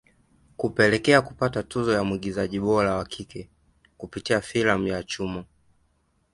Kupelekea kupata tuzo ya mwigizaji bora wa kike kupitia filamu ya Chumo